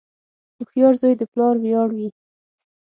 • هوښیار زوی د پلار ویاړ وي.